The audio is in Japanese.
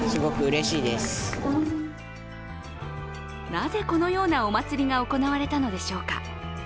なぜ、このようなお祭りが行われたのでしょうか。